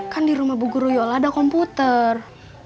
kan di rumah bu guru yola ada komputer